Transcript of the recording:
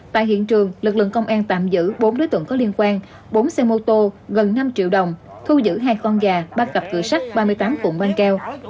tại hiện trường lực lượng công an tạm giữ bốn đối tượng có liên quan bốn xe mô tô gần năm triệu đồng thu giữ hai con gà ba cặp cửa sách ba mươi tám cụm băng keo